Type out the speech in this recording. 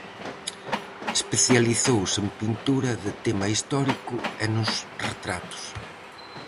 Especializouse en pintura de tema histórico e nos retratos.